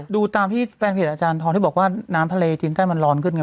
ดูตามที่แฟนเพจอาจารย์ทองที่บอกว่าน้ำทะเลจีนใต้มันร้อนขึ้นไง